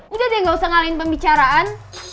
udah deh gak usah ngalahin pembicaraan